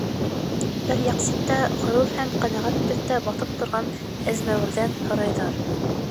Бер яҡ ситтә ғорур һәм ҡәнәғәт төҫтә баҫып торған әзмәүерҙән һорайҙар: